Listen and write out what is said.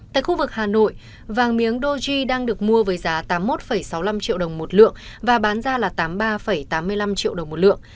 tại khu vực hà nội vàng miếng doji đang được mua với giá tám mươi một sáu mươi năm triệu đồng một lượng và bán ra là tám mươi ba tám mươi năm triệu đồng một lượng